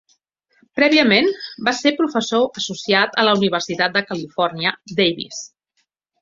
Prèviament, va ser professor associat a la Universitat de Califòrnia, Davis.